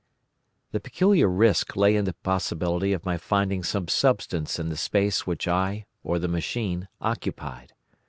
"The peculiar risk lay in the possibility of my finding some substance in the space which I, or the machine, occupied.